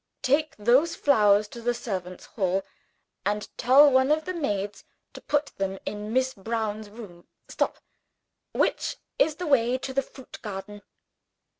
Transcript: "Take those flowers to the servants' hall, and tell one of the maids to put them in Miss Brown's room. Stop! Which is the way to the fruit garden?"